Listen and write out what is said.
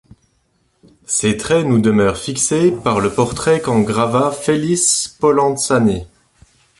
Ses traits nous demeurent fixés par le portrait qu'en grava Felice Polanzani.